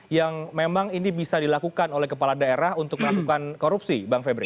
yang memang ini bisa dilakukan oleh kepala daerah untuk melakukan korupsi bang febri